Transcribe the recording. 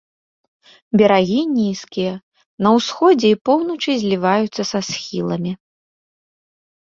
Берагі нізкія, на ўсходзе і поўначы зліваюцца са схіламі.